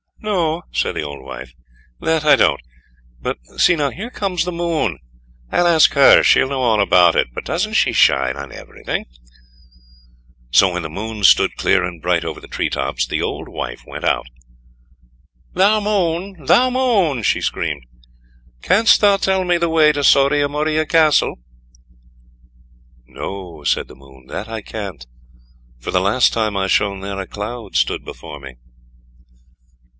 "No," said the old wife, "that I don't, but see now, here comes the Moon, I'll ask her, she'll know all about it, for doesn't she shine on everything?" So when the Moon stood clear and bright over the tree tops, the old wife went out. "THOU MOON, THOU MOON," she screamed, "canst thou tell me the way to Soria Moria Castle?" "No," said the Moon, "that I can't, for the last time I shone there a cloud stood before me."